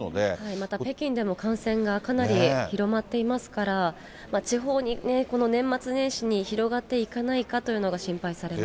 また北京でも感染がかなり広まっていますから、地方に、この年末年始に広がっていかないかというのが、心配されます。